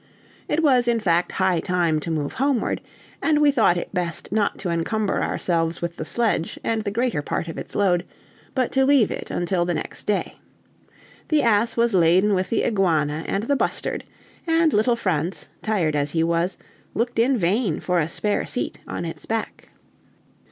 It was, in fact, high time to move homeward, and we thought it best not to encumber ourselves with the sledge and the greater part of its load, but to leave it until the next day. The ass was laden with the iguana and the bustard; and little Franz, tired as he was, looked in vain for a spare seat on its back.